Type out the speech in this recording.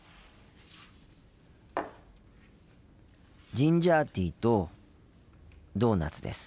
ジンジャーティーとドーナツです。